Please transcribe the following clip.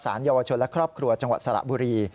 เยาวชนและครอบครัวจังหวัดสระบุรี